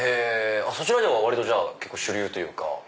そちらでは割と結構主流というか。